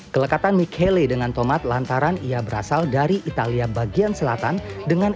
kelekatan michele dengan tomat lantaran ia berasal dari italia bagian selatan dengan